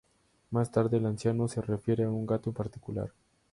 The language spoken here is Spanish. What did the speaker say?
Más tarde, el anciano se refiere a un gato en particular.